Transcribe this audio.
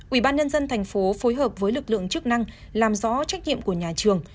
ủy ban nhân dân thành phố phối hợp với lực lượng chức năng làm rõ trách nhiệm của nhà trường